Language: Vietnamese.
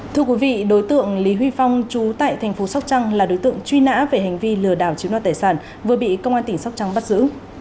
thưa quý vị đối tượng lý huy phong chú tại thành phố sóc trăng là đối tượng truy nã về hành vi lừa đảo chiếm đoạt tài sản vừa bị công an tỉnh sóc trăng bắt giữ